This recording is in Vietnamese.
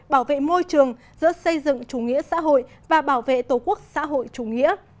bảo vệ môi trường giữa xây dựng chủ nghĩa xã hội và bảo vệ tổ quốc xã hội chủ nghĩa